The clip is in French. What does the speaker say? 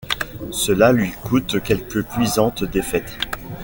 Cela lui coûte quelques cuisantes défaites.